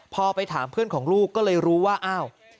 พอไปถามเพื่อนของลูกก็เลยรู้ว่าอ้าว